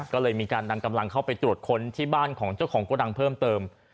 ก็เลยมีการนำกำลังเข้าไปตรวจค้นที่บ้านของเจ้าของโกดังเพิ่มเติม